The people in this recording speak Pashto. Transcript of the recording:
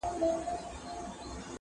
دا کیسه موږ ته را پاته له پېړیو!